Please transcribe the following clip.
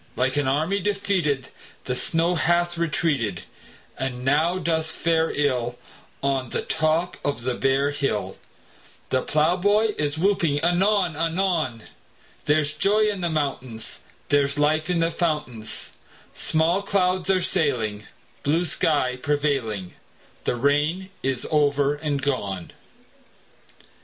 Like an army defeated The snow hath retreated, And now doth fare ill On the top of the bare hill; The plowboy is whooping anon anon: There's joy in the mountains; There's life in the fountains; Small clouds are sailing, Blue sky prevailing; The rain is over and gone!